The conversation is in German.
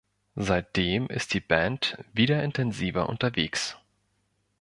Seitdem ist die Band wieder intensiver unterwegs.